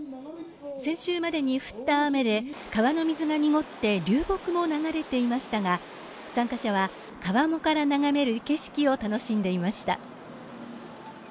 先週までに降った雨で川の水が濁って流木も流れていましたが参加者は、川面から眺める景色を楽しんでいました。